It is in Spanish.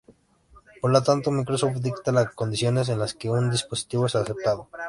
Por lo tanto, Microsoft dicta las condiciones en las que un dispositivo es aceptado.